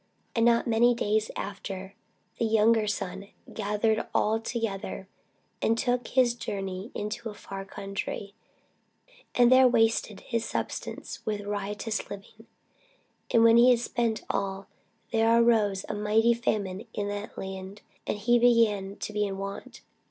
And not many days after the younger son gathered all together, and took his journey into a far country, and there wasted his substance with riotous living. And when he had spent all, there arose a mighty famine in that land; and he began to be in want.